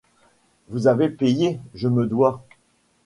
Vous avez payé, je me dois.